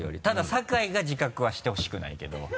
ただ酒井が自覚はしてほしくないけど。